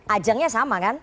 ajangnya sama kan